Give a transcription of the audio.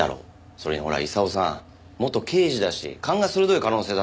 それにほら功さん元刑事だし勘が鋭い可能性だって。